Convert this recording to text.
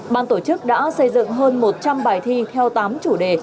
ban tổ chức đã xây dựng hơn một trăm linh bài thi theo tám chủ đề